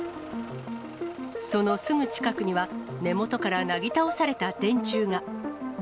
そのすぐ近くには、根元からなぎ倒された電柱が。